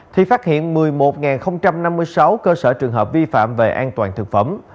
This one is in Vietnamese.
thì phát hiện một mươi một năm mươi sáu cơ sở trường hợp vi phạm về an toàn thực phẩm